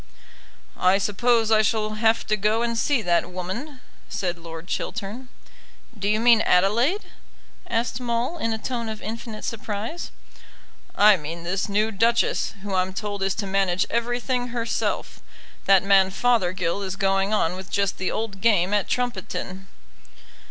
"I suppose I shall have to go and see that woman," said Lord Chiltern. "Do you mean Adelaide?" asked Maule, in a tone of infinite surprise. "I mean this new Duchess, who I'm told is to manage everything herself. That man Fothergill is going on with just the old game at Trumpeton."